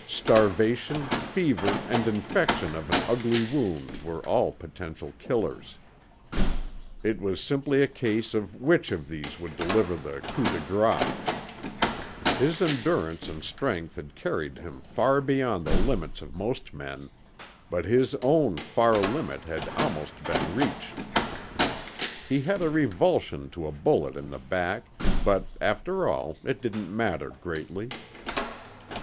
Starvation, fever, and infection of an ugly wound were all potential killers. It was simply a case of which of these would deliver the coup de grâce. His endurance and strength had carried him far beyond the limits of most men, but his own far limit had almost been reached. He had a revulsion to a bullet in the back, but after all it didn't matter greatly.